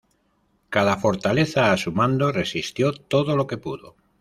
Cada fortaleza a su mando resistió todo lo que pudo.